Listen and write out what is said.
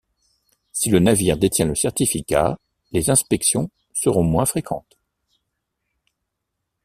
Si le navire détient le certificat, les inspections seront moins fréquentes.